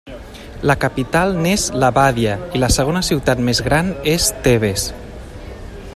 La capital n'és Levàdia i la segona ciutat més gran és Tebes.